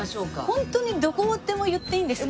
ホントにどこでも言っていいんですか？